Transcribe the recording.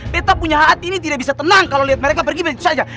tetap punya hati ini tidak bisa tenang kalau lihat mereka pergi begitu saja